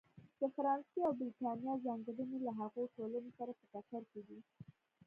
د فرانسې او برېټانیا ځانګړنې له هغو ټولنو سره په ټکر کې دي.